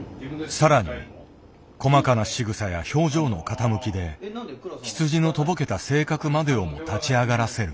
さらに細かなしぐさや表情の傾きで羊のとぼけた性格までをも立ち上がらせる。